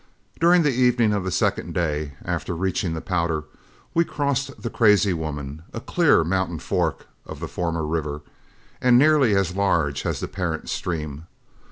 During the evening of the second day after reaching the Powder, we crossed the Crazy Woman, a clear mountainous fork of the former river, and nearly as large as the parent stream.